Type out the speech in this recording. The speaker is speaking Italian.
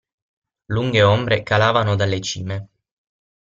Lunghe ombre calavano dalle cime.